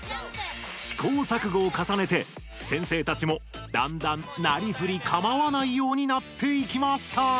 試行錯誤をかさねて先生たちもだんだんなりふりかまわないようになっていきました。